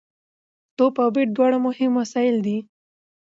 توپ او بېټ دواړه مهم وسایل دي.